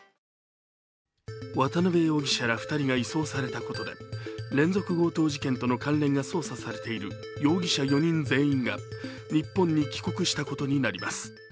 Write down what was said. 渡辺容疑者ら２人が移送されたことで連続強盗事件について捜査されている容疑者４人全員が日本に帰国したことになります。